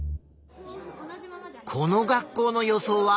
この学校の予想は？